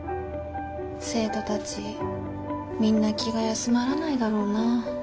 生徒たちみんな気が休まらないだろうな。